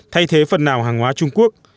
thay thế phần nào hàng hóa trung quốc